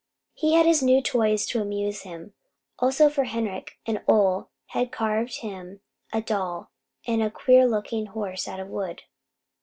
He had his new toys to amuse him, also, for Henrik and Ole had carved him a doll and a queer looking horse out of wood.